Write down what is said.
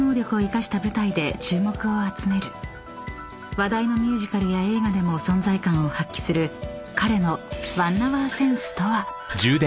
［話題のミュージカルや映画でも存在感を発揮する彼の］